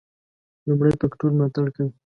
لومړي فکټور ملاتړ کوي.